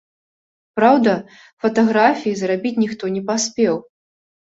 Праўда, фатаграфій зрабіць ніхто не паспеў.